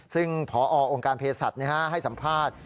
ซึ่งพอองค์การเพศสัตว์ให้สัมภาษณ์